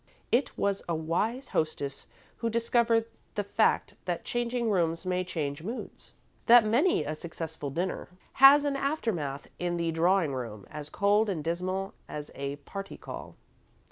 It was a wise hostess who discovered the fact that changing rooms may change moods; that many a successful dinner has an aftermath in the drawing room as cold and dismal as a party call.